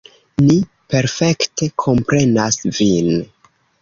Ni perfekte komprenas vin.